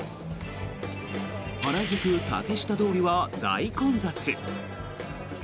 原宿・竹下通りは大混雑。